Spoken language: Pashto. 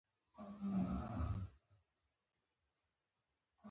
کرنیز محصولات د صنعتي محصولاتو لپاره خام مواد دي.